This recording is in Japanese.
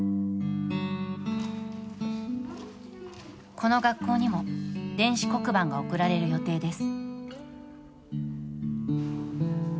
この学校にも電子黒板が贈られる予定です。